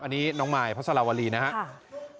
อันนี้น้องมายพระสลาวรีนะครับ